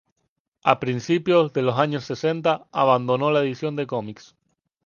A principios de los años sesenta, abandonó la edición de cómics.